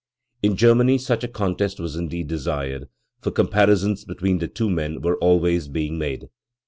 In Ger many such a contest was indeed desired, for comparisons between the two men were always being made.